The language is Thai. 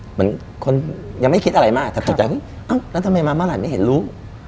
เหมือนคนยังไม่คิดอะไรมากแต่ตกใจเฮ้ยเอ้าแล้วทำไมมาเมื่อไหร่ไม่เห็นลูก